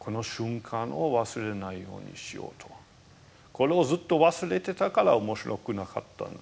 これをずっと忘れてたから面白くなかったんですね。